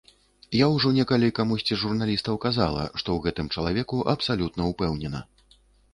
Я ўжо некалі камусьці з журналістаў казала, што ў гэтым чалавеку абсалютна ўпэўнена.